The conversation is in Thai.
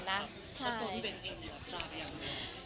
เหลือรักษาตัวพี่เบนค่ะ